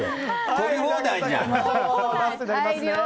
取り放題じゃん。